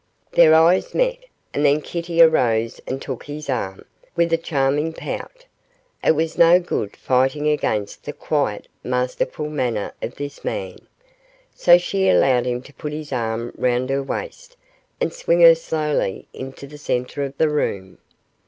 Their eyes met, and then Kitty arose and took his arm, with a charming pout. It was no good fighting against the quiet, masterful manner of this man, so she allowed him to put his arm round her waist and swing her slowly into the centre of the room.